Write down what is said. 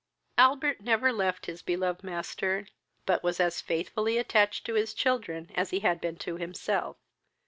Albert never left his beloved master, but was as faithfully attached to his children as he had been to himself.